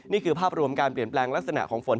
นี่คือภาพรวมการเปลี่ยนแปลงลักษณะของฝน